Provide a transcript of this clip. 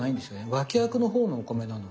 脇役の方のお米なので。